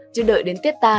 chứ đợi đến tết ta